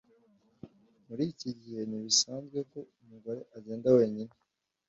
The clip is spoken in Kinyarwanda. Muri iki gihe ntibisanzwe ko umugore agenda wenyine